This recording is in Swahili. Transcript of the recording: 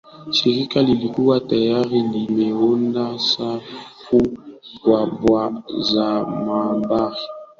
shirika lilikuwa tayari limeunda safu kubwa za mabara